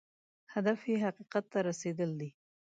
هدف یې حقیقت ته رسېدل دی.